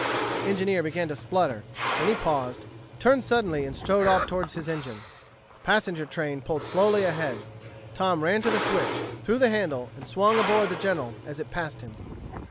The engineer began to splutter; then he paused, turned suddenly and strode off toward his engine. The passenger train pulled slowly ahead. Tom ran to the switch, threw the handle, and swung aboard the General as it passed him.